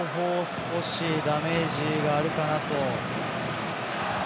少しダメージがあるかなと。